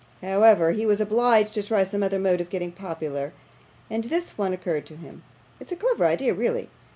However, he was obliged to try some other mode of getting popular, and this one occurred to him. It's a clever idea, really.